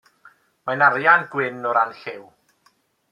Mae'n arian-gwyn o ran lliw.